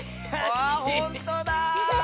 わあほんとだ！